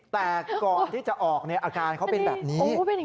แต่ก่อนที่จะออกอาการเขาเป็นแบบนี้